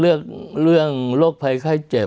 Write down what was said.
เพราะฉะนั้นเรื่องโรคภัยไข้เจ็บ